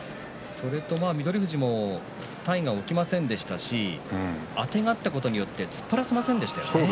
それと翠富士も体が起きませんでしたしあてがったことによって突っ張らせませんでしたよね。